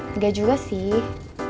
enggak juga sih